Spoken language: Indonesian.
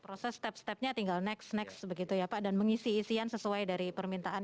proses step stepnya tinggal next next begitu ya pak dan mengisi isian sesuai dari permintaan